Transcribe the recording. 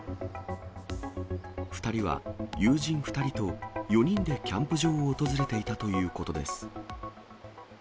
２人は友人２人と４人でキャンプ場を訪れていたということです。